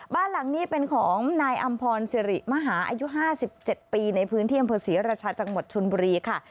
บ้านหลังนี้เป็นของนายอำพรสิริมหาอายุ๕๗ปีในพื้นที่อำเภอศรีราชาจังหวัดชนบุรีค่ะ